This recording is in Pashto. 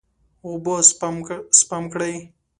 اوبه سپم کړئ.